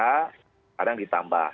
ya kadang ditambah